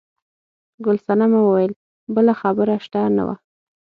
ګل صنمه وویل بله خبره شته نه وه.